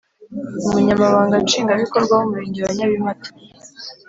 Umunyamabanga Nshingwabikorwa w’Umurenge wa Nyabimata